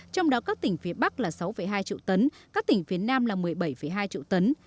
trong đó các tỉnh phía bắc là sáu hai triệu tấn các tỉnh phía nam là một mươi bảy hai triệu tấn